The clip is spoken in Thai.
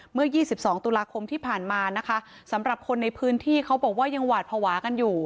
เมื่อ๒๒ตุลาคมที่ผ่านมานะคะสำหรับคนในพื้นที่เขาบอกว่ายังหวาดภาวะกันอยู่